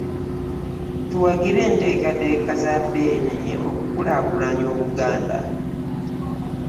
Tuwagire enteekateeka za Beene okukulaakulanya Obuganda.